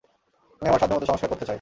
আমি আমার সাধ্যমত সংস্কার করতে চাই।